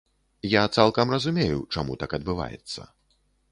Я цалкам разумею, чаму так адбываецца.